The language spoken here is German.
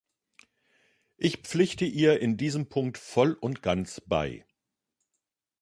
Ich pflichte ihr in diesem Punkt voll und ganz bei.